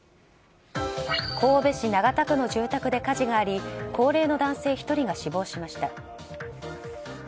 神戸市長田区の住宅で火事があり高齢の男性１人が死亡しました。